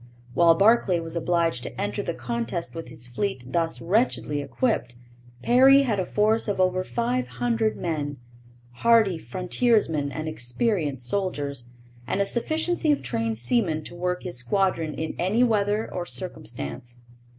While Barclay was obliged to enter the contest with his fleet thus wretchedly equipped, Perry had a force of over five hundred men, hardy frontiersmen and experienced soldiers, and a sufficiency of trained seamen to work his squadron in any weather or circumstance.